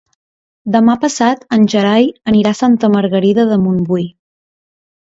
Demà passat en Gerai anirà a Santa Margarida de Montbui.